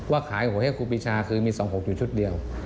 ขายหวยให้ครูปีชาคือมี๒๖อยู่ชุดเดียว